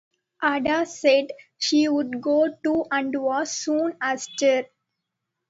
Ada said she would go too, and was soon astir.